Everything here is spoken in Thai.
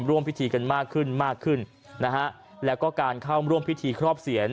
ร่วมพิธีกันมากขึ้นมากขึ้นนะฮะแล้วก็การเข้าร่วมพิธีครอบเสียน